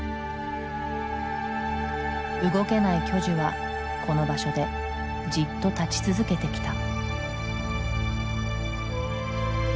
動けない巨樹はこの場所でじっと立ち続けてきた。